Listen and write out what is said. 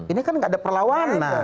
ini kan gak ada perlawanan